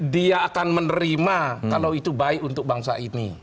dia akan menerima kalau itu baik untuk bangsa ini